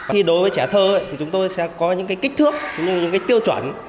khi đối với trẻ thơ chúng tôi sẽ có những cái kích thước những cái tiêu chuẩn